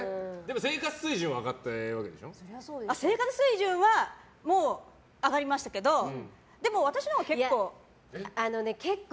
生活水準は上がりましたけどでも私のほうが結構。